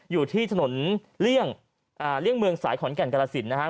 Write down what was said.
อยู่ที่สนเรียกเรียงเมืองสายขอนแก่นกรสิตนะฮะ